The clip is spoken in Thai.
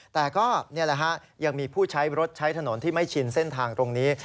แต่ก็นี่แหละฮะยังมีผู้ใช้รถใช้ถนนที่ไม่ชินเส้นทางตรงนี้